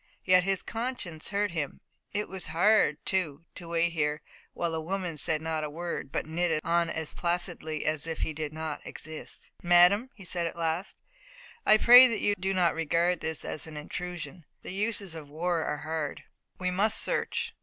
Yet his conscience hurt him. It was hard, too, to wait there, while the woman said not a word, but knitted on as placidly as if he did not exist. "Madame," he said at last, "I pray that you do not regard this as an intrusion. The uses of war are hard. We must search.